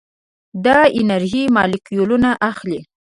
دا انرژي مالیکولونه اخلي.